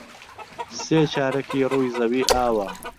سێ چارەکی ڕووی زەوی ئاوە.